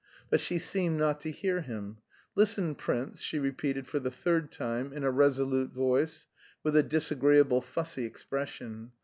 But she seemed not to hear him. "Listen, prince," she repeated for the third time in a resolute voice, with a disagreeable, fussy expression.